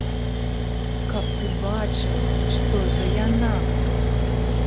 Каб ты бачыў, што за яна!